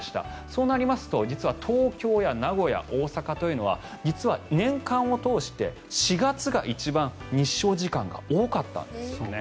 そうなると実は東京や名古屋、大阪というのは実は年間を通して４月が一番日照時間が多かったんですね。